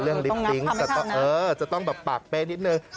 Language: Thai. เรื่องลิปซิ้งเออจะต้องแบบปากเป๊ะนิดนึง